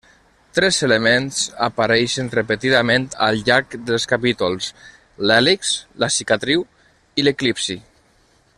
Tres elements apareixen repetidament al llarg dels capítols: l'hèlix, la cicatriu, i l'eclipsi.